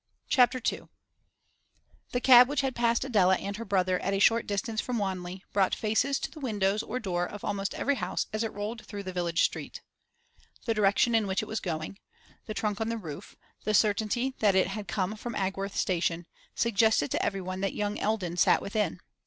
CHAPTER II The cab which had passed Adela and her brother at a short distance from Wanley brought faces to the windows or door of almost every house as it rolled through the village street. The direction in which it was going, the trunk on the roof, the certainty that it had come from Agworth station, suggested to everyone that young Eldon sat within.